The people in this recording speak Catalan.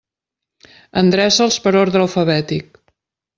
Endreça'ls per ordre alfabètic.